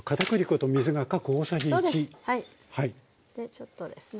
ちょっとですね